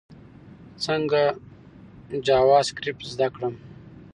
څنګه جاواسکريپټ زده کړم؟